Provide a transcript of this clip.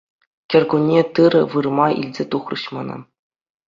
Кӗркунне тыр вырма илсе тухрӗҫ мана.